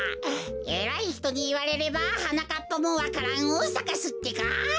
えらいひとにいわれればはなかっぱもわか蘭をさかすってか。